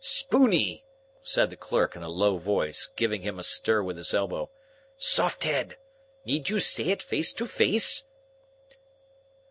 "Spooney!" said the clerk, in a low voice, giving him a stir with his elbow. "Soft Head! Need you say it face to face?"